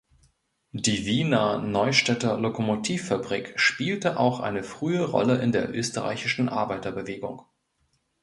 Die Wiener Neustädter Lokomotivfabrik spielte auch eine frühe Rolle in der Österreichischen Arbeiterbewegung.